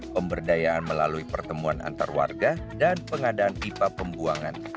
pemberdayaan melalui pertemuan antar warga dan pengadaan pipa pembuangan